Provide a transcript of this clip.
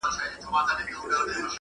• خو په كور كي د شيطان لكه زمرى وو -